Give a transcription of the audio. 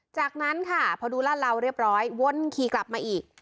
จากนั้นค่ะพอดูลาดเหลาเรียบร้อยวนขี่กลับมาอีก